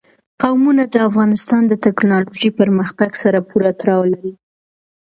قومونه د افغانستان د تکنالوژۍ پرمختګ سره پوره تړاو لري.